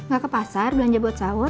gak ke pasar belanja buat sahur